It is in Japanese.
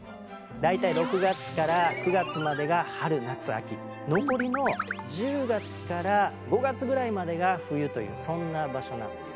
大体６月９月までが春夏秋残りの１０月５月ぐらいまでが冬というそんな場所なんです。